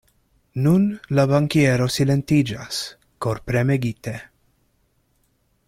Nun la bankiero silentiĝas, korpremegite.